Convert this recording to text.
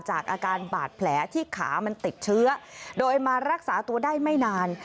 จากอาการบาดแผลที่ขามันติดเชื้อโดยมารักษาตัวได้ไม่นาน